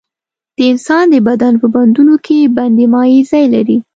د انسان د بدن په بندونو کې بندي مایع ځای لري.